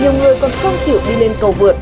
nhiều người còn không chịu đi lên cầu vượt